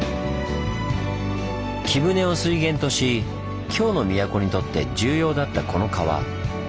貴船を水源とし京の都にとって重要だったこの川。